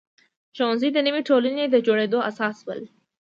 ښوونځي د نوې ټولنې د جوړېدو اساس شول.